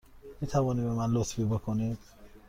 می توانی به من لطفی بکنی؟